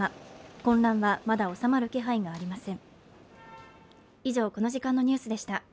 混乱はまだ収まる気配がありません。